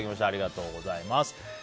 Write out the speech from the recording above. ありがとうございます。